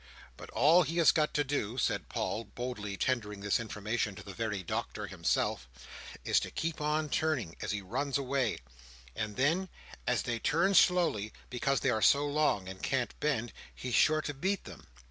But all he has got to do," said Paul, boldly tendering this information to the very Doctor himself, "is to keep on turning as he runs away, and then, as they turn slowly, because they are so long, and can't bend, he's sure to beat them.